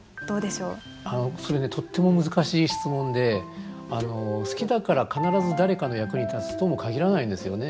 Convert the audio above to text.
それねとっても難しい質問で好きだから必ず誰かの役に立つとも限らないんですよね。